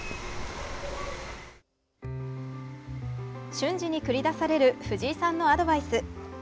瞬時に繰り出される藤井さんのアドバイス。